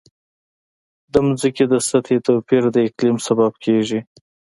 د ځمکې د سطحې توپیر د اقلیم سبب کېږي.